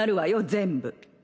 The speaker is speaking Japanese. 全部。